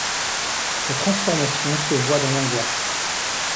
Ces transformations se voient dans l’angoisse.